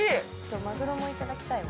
まぐろもいただきたいわ。